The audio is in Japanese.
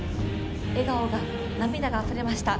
笑顔が、涙があふれました。